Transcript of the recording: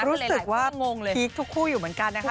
รู้สึกว่างงเลยพีคทุกคู่อยู่เหมือนกันนะคะ